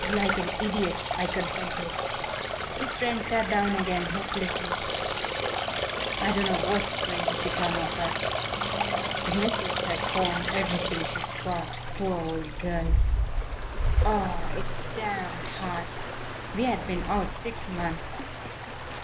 Like an idiot, I consented." His friend sat down again hopelessly. "I don't know what's going to become of us. The missus has pawned everything she has got, poor old girl! Oh, it's damned hard! We had been out six months."